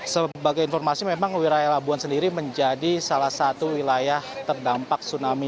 sebagai informasi memang wilayah labuan sendiri menjadi salah satu wilayah terdampak tsunami